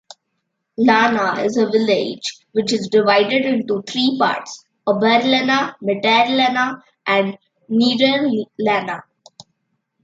Lana is a village which is divided into three parts: Oberlana, Mitterlana and Niederlana.